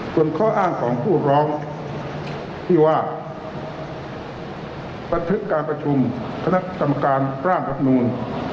ต้นข้ออ้างของผู้ร้องที่ว่าประทึกการประชุมคณะตำการกล้ามรัฐมูล